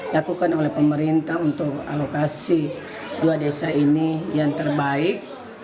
dilakukan oleh pemerintah untuk alokasi dua desa ini yang terbaik